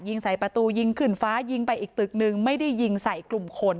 ยิงใส่ประตูยิงขึ้นฟ้ายิงไปอีกตึกนึงไม่ได้ยิงใส่กลุ่มคน